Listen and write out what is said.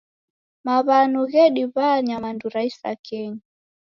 Maw'anu ghediw'a nyamandu ra isakenyi.